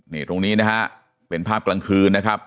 นี่ตรงนี้นะฮะเป็นภาพกลางคืนนะครับ